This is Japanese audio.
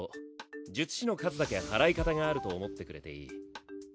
術師の数だけ祓い方があると思ってくれていい。